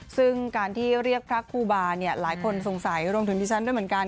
ซึ่งการที่เรียกพระครูบาเนี่ยหลายคนสงสัยรวมถึงดิฉันด้วยเหมือนกัน